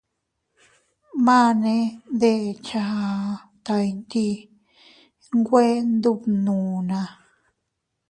Mane deʼecha aʼa taa ndi nwe ndubnuna.